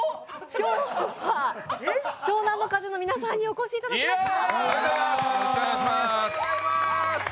今日は湘南乃風の皆さんにお越しいただきました！